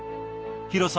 広さ